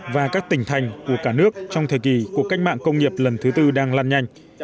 và các tỉnh thành của cả nước trong thời kỳ cuộc cách mạng công nghiệp lần thứ tư đang lan nhanh